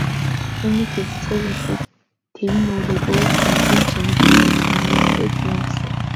Түүний гялалзахыг үзээд тэвнэ өөрийгөө энгэрийн чимэг гэж нэрлээд ийн асуув.